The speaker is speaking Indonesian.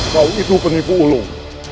kau itu penipu ulung